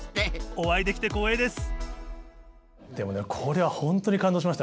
お会いできて光栄です！